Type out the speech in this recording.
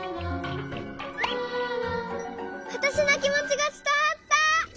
わたしのきもちがつたわった。